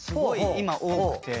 今多くて。